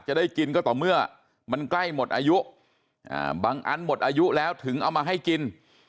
จะได้กินก็ต่อเมื่อมันใกล้หมดอายุบางอันหมดอายุแล้วถึงเอามาให้กิน